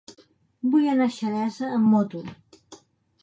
Vull anar a Xeresa amb moto.